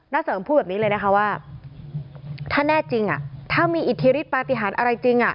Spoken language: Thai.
เสริมพูดแบบนี้เลยนะคะว่าถ้าแน่จริงถ้ามีอิทธิฤทธปฏิหารอะไรจริง